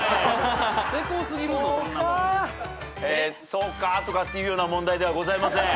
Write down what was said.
そうかとかっていうような問題ではございません。